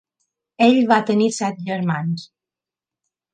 Ell va tenir set germans.